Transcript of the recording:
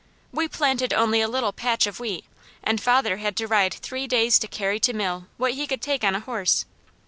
We planted only a little patch of wheat and father had to ride three days to carry to mill what he could take on a horse.